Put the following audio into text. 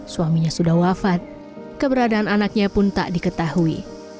suaminya sudah wafat keberadaan anaknya pun tak diketahui